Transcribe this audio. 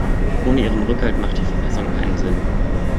Ohne ihren Rückhalt macht die Verfassung keinen Sinn.